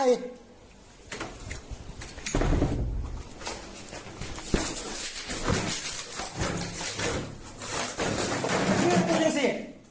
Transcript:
เชื่อตัวเนี่ยสิฮะ